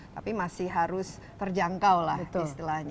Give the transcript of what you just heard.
tapi masih harus terjangkau lah istilahnya